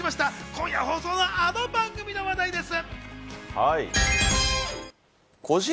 今夜放送のあの番組の話題です。